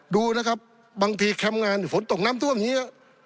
ดูนะครับบางทีแคมป์งานเนี่ยผลตกน้ำต้มนี้